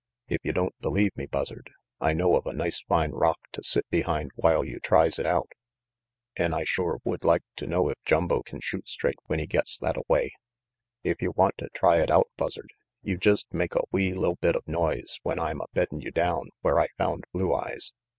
If you don't believe me, Buzzard, I know of a nice fine rock to sit behind while you tries it out. An' I shore would like i ^ know if Jumbo can shoot straight when he 120 RANGY PETE gets thattaway. If you want to try it out, Buzza you jest make a wee li'l bit of noise when I'm a beddin' you down where I found Blue Eyes.